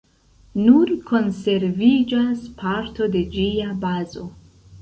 Nur konserviĝas parto de ĝia bazo.